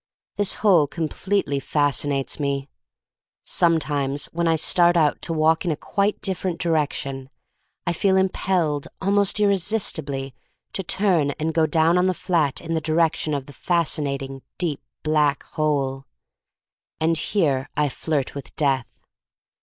This hole completely fascinates me. Sometimes when I start out to walk in a quite different direction, I feel im pelled almost irresistibly to turn and go down on the flat in the direction of the fascinating, deep black hole. And here I flirt with Death.